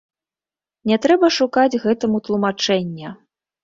Не трэба шукаць гэтаму тлумачэння.